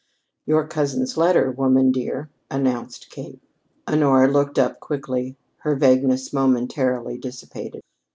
"Your cousin's letter, woman, dear," announced Kate. Honora looked up quickly, her vagueness momentarily dissipated.